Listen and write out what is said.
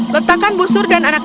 letakkan busur dan anaknya